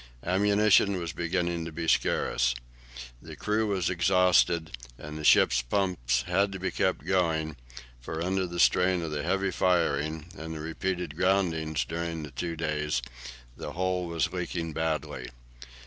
Ammunition was beginning to be scarce. The crew was exhausted, and the ship's pumps had to be kept going, for under the strain of the heavy firing, and the repeated groundings during the two days, the hull was leaking badly.